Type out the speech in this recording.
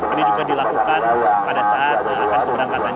ini juga dilakukan pada saat akan keberangkatan